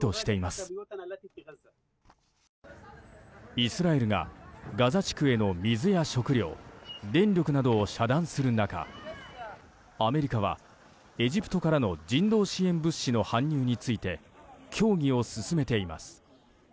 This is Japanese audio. イスラエルがガザ地区への水や食料、電力などを遮断する中アメリカはエジプトからの人道支援物資の搬入について協議を進めています。